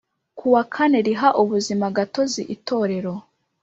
kuwa kane riha ubuzimagatozi Itorero